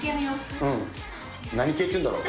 何系っていうんだろう。